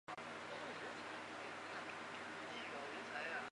长柄粉条儿菜为百合科粉条儿菜属下的一个种。